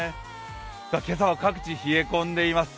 今朝は各地、冷え込んでいます。